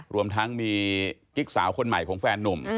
รวมทั้งมีกิ๊กสาวคนใหม่ของแฟนนุ่ม